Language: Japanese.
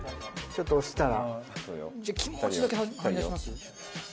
ちょっと押したら。